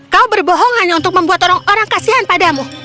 kau berbohong hanya untuk membuat orang orang kasihan padamu